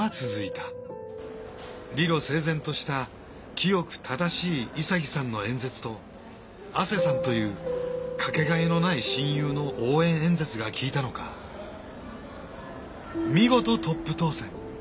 理路整然とした清く正しい潔さんの演説と阿瀬さんという掛けがえのない親友の応援演説が効いたのか見事トップ当選。